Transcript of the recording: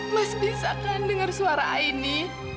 mas bisakah denger suara ini